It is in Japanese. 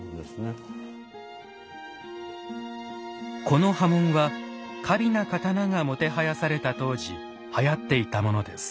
この刃文は華美な刀がもてはやされた当時はやっていたものです。